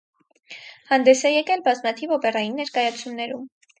Հանդես է եկել բազմաթիվ օպերային ներկայացումներում։